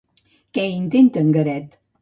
Què intenta en Garet?